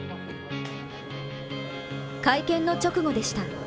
会見の直後でした。